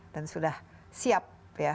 dan sudah siap